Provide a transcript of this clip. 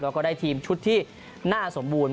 แล้วก็ได้ทีมชุดที่น่าสมบูรณ์